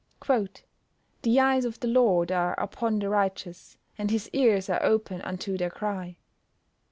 [Verse: "The eyes of the Lord are upon the righteous, and his ears are open unto their cry."